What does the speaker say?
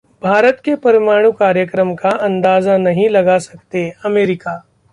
भारत के परमाणु कार्यक्रम का अंदाजा नहीं लगा सकते: अमेरिका